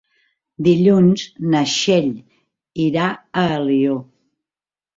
Dilluns na Txell irà a Alaior.